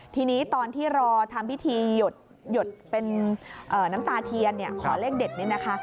ทีนี้ตอนที่รอทำพิธีหยดเป็นน้ำตาเทียนขอเลขเด็ดเนี่ยนะคะ